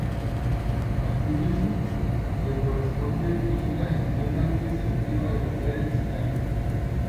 Asimismo, le corresponde dirigir la gestión administrativa de la sede Chillán.